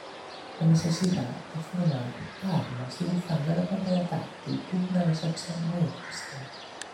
La necesidad de formar armas dibujando en la pantalla táctil tuvo una recepción mixta.